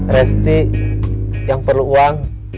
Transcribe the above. resti yang perlu uang